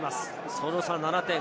その差７点。